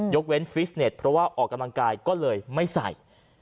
เว้นฟิสเน็ตเพราะว่าออกกำลังกายก็เลยไม่ใส่